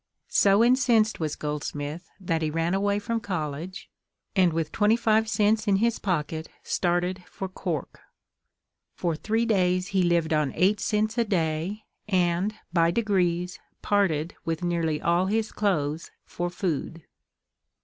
So incensed was Goldsmith that he ran away from college, and with twenty five cents in his pocket started for Cork. For three days he lived on eight cents a day, and, by degrees, parted with nearly all his clothes for food.